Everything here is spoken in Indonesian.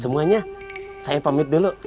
semuanya saya pamit dulu